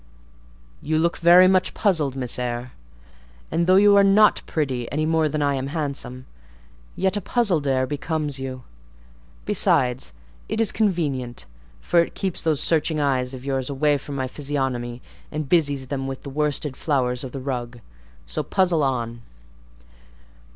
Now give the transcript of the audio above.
"You looked very much puzzled, Miss Eyre; and though you are not pretty any more than I am handsome, yet a puzzled air becomes you; besides, it is convenient, for it keeps those searching eyes of yours away from my physiognomy, and busies them with the worsted flowers of the rug; so puzzle on.